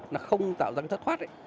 nó không tạo ra cái thất thoát ấy